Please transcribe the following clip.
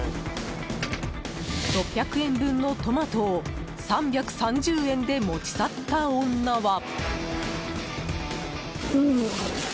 ６００円分のトマトを３３０円で持ち去った女は。